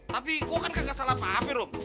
tapi gue kan kagak salah paham rom